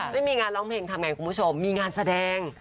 ไม่มีงานร้องเพลงทำไงคุณผู้ชมมีงานแสดง